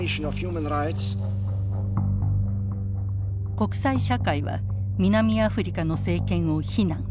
国際社会は南アフリカの政権を非難。